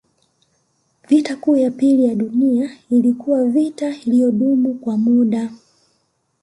Vita Kuu ya Pili ya Dunia ilikuwa vita iliyodumu kwa muda